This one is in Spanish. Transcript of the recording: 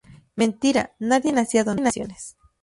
Mentira, nadie hacía donaciones.